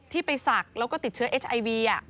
ที่ไปศักดิ์แล้วก็ติดเชื้อฮไอวีอะ